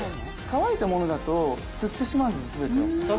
乾いたものだと吸ってしまうんです全てを。